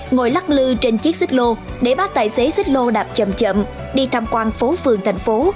ngồi lắc lư trên chiếc xích lô để bác tài xế xích lô đạp chậm đi tham quan phố phường thành phố